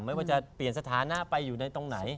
ไม่ว่าจะเปลี่ยนสถานะไปอยู่ในตรงไหน